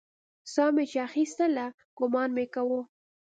ساه چې مې اخيستله ګومان مې کاوه.